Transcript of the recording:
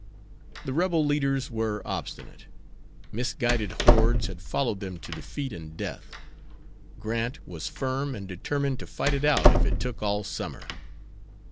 The Rebel leaders were obstinate. Misguided hordes had followed them to defeat and death. Grant was firm and determined to fight it out if it took all summer.